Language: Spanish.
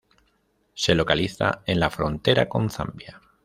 Se localiza en la frontera con Zambia.